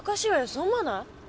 そう思わない？